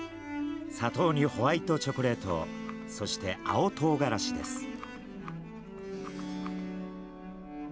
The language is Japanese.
砂糖にホワイトチョコレート、そして青とうがらしです。